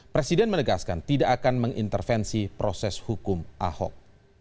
presiden menegaskan tidak akan mengintervensi proses hukum ahok